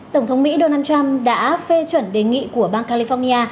tổng thống mỹ donald trump đã phê chuẩn đề nghị của bang california